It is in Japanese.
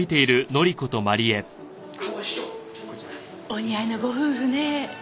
お似合いのご夫婦ねえ。